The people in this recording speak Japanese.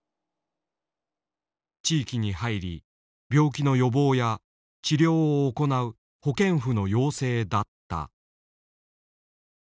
地域に入り病気の予防や治療を行う保健婦の養成だった。